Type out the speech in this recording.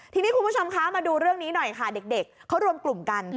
ทีนี้คุณผู้ชมคะมาดูเรื่องนี้หน่อยค่ะเด็กเขารวมกลุ่มกัน